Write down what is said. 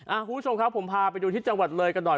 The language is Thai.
คุณผู้ชมครับผมพาไปดูที่จังหวัดเลยกันหน่อย